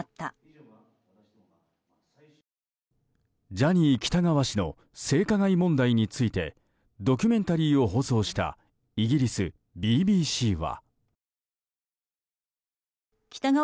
ジャニー喜多川氏の性加害問題についてドキュメンタリーを放送したイギリスＢＢＣは。